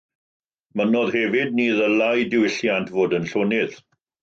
Mynnodd hefyd ni ddylai diwylliant fod yn llonydd.